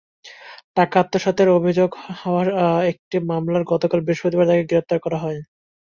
টাকা আত্মসাতের অভিযোগে হওয়া একটি মামলায় গতকাল বৃহম্পতিবার তাঁকে গ্রেপ্তার করা হয়।